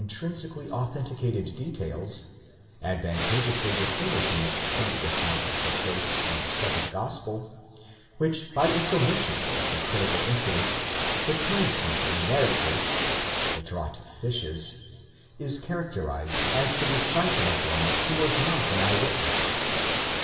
trinsically authenticated details, advantageously distinguishing it from the account in the first (and second) gospel, which by its omission of the critical incident, the turning point in the narrative (the draught of fishes), is char acterized as the recital of one who was not an eye witness.